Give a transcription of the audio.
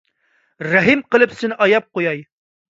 رەھىم قىلىپ سېنى ئاياپ قوياي.